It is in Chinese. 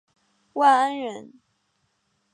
万安人。